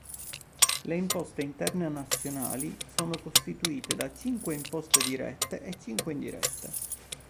Le imposte interne nazionali sono costituite da cinque imposte dirette e cinque indirette.